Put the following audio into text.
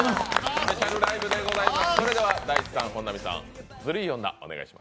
スペシャルライブでございます。